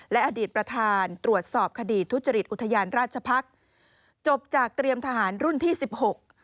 และอดีตประธานตรวจสอบคดีทุจริตอุทยานราชพักษ์จบจากเตรียมทหารรุ่นที่สิบหก